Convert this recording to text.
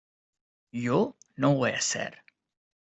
yo no voy a ser